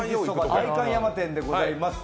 代官山店でございます。